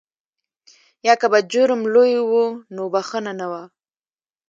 یا که به جرم لوی و نو بخښنه نه وه.